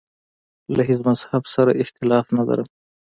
له هیڅ مذهب سره اختلاف نه لرم.